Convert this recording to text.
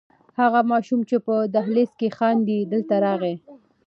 هغه ماشوم چې په دهلېز کې خاندي دلته راغی.